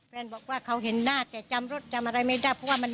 บอกว่าเขาเห็นหน้าแต่จำรถจำอะไรไม่ได้เพราะว่ามัน